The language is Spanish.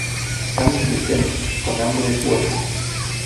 Pan de centeno, con hambre es bueno.